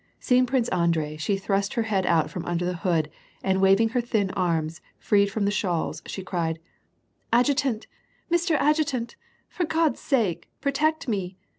Seeing Prince Andrei, she thrust her head out from under the hood, and waving her thin arms, freed from the shawls, she cried, — "Adjutant! Mr. Adjutant! for God's sake, protect me!